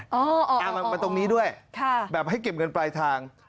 เอามาตรงนี้ด้วยแบบให้เก็บเงินปลายทาง